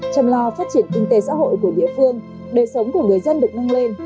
chăm lo phát triển kinh tế xã hội của địa phương đời sống của người dân được nâng lên